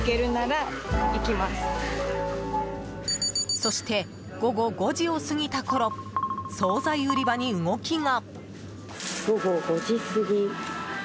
そして、午後５時を過ぎたころ総菜売り場に動きが。